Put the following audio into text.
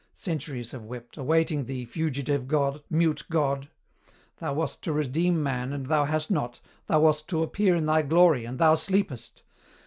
Centuries have wept, awaiting thee, fugitive God, mute God! Thou wast to redeem man and thou hast not, thou wast to appear in thy glory, and thou sleepest.